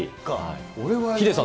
ヒデさん